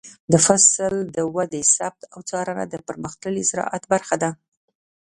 د فصل د ودې ثبت او څارنه د پرمختللي زراعت برخه ده.